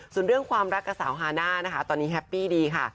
ส่วนเรื่องความรักกับสาวฮาน่านะคะตอนนี้แฮปปี้ดีค่ะ